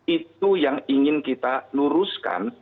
itu yang ingin kita luruskan